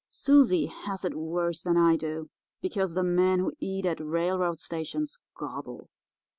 Susie has it worse than I do, because the men who eat at railroad stations gobble.